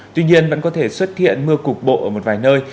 tuy nhiên vẫn có thể xuất hiện mưa cục bộ ở một vài nơi